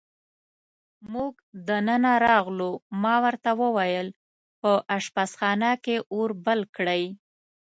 موږ دننه راغلو، ما ورته وویل: په اشپزخانه کې اور بل کړئ.